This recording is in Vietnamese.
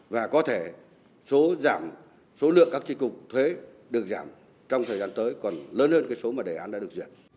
và có thể số lượng các chi cục thuế được giảm trong thời gian tới còn lớn hơn số mà đề án đã được duyệt